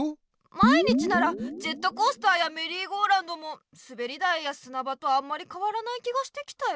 毎日ならジェットコースターやメリーゴーラウンドもすべり台やすな場とあんまりかわらない気がしてきたよ。